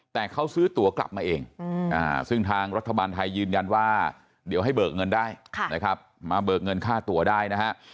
แต่เขาซื้อตัวกลับมาเองซึ่งทางรัฐบาลไทยยืนยันว่าเดี๋ยวให้เบิกเงินได้นะครับมาเบิกเงินค่าตัวได้นะฮะ